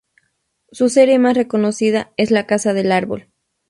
Su serie más reconocida es "La casa del árbol".